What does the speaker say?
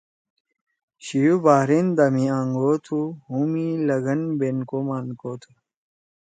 شیو بحرین دا مھی آنگو تُھو، ہُم ئی لگن، بینکو مانکو تُھو